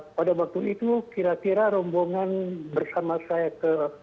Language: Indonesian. pada waktu itu kira kira rombongan bersama saya ke